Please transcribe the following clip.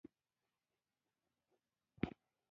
انګلیسانو هند په جنګ کې ښکیل کړ.